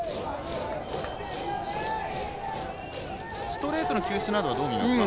ストレートの球種などはどう見ますか？